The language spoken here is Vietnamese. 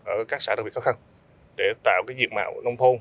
ở các xã đặc biệt khó khăn để tạo diện mạo nông thôn